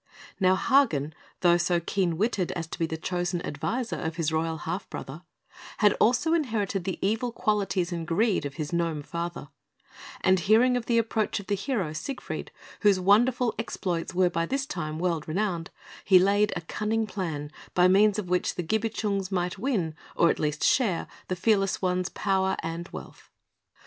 Now, Hagen, though so keen witted as to be the chosen adviser of his royal half brother, had also inherited the evil qualities and greed of his gnome father; and hearing of the approach of the hero, Siegfried, whose wonderful exploits were by this time world renowned, he laid a cunning plan, by means of which the Gibichungs might win, or at least share, the fearless one's power and wealth.